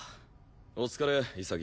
お疲れ潔。